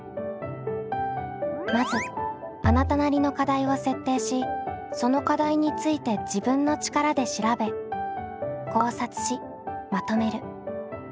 まずあなたなりの課題を設定しその課題について自分の力で調べ考察しまとめる。